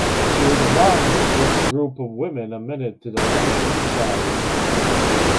She was among the first group of women admitted to the Linnean Society.